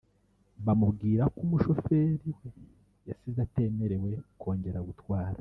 bumubwira ko umushoferi we yasinze atemerewe kongera gutwara